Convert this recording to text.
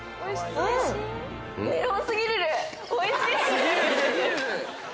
おいしい！